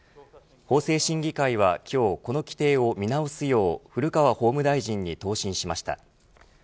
法制審議会は今日この規定を見直すよう古川法務大臣に答申しました。